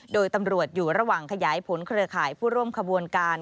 โดยตำรวจอยู่ระหว่างขยายผลเครือข่ายผู้ร่วมขบวนการ